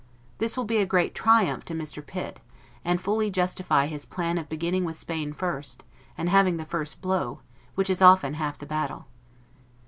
This will be a great triumph to Mr. Pitt, and fully justify his plan of beginning with Spain first, and having the first blow, which is often half the battle.